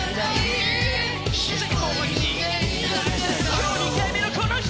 今日、２回目のこの２人。